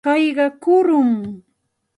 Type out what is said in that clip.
Kayqa rukum.